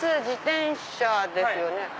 自転車ですよね？